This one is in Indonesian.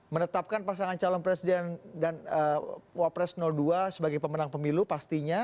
menetapkan pasangan calon presiden dan wapres dua sebagai pemenang pemilu pastinya